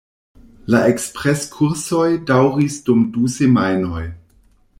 La ekspres-kursoj daŭris dum du semajnoj.